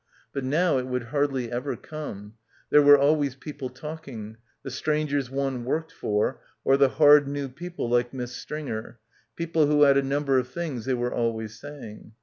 But now it would hardly ever come; there were always people talking, the strangers one worked for, or the hard new people like Miss Stringer, people who had a number of things they were always saying.